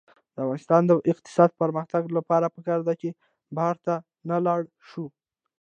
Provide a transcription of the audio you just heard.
د افغانستان د اقتصادي پرمختګ لپاره پکار ده چې بهر ته نلاړ شو.